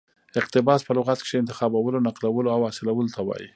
اقتباس په لغت کښي انتخابولو، نقلولو او حاصلولو ته وايي.